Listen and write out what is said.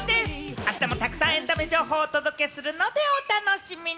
あしたもたくさんエンタメ情報をお届けするので、お楽しみに！